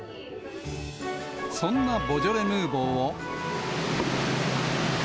そんなボジョレ・ヌーボーを。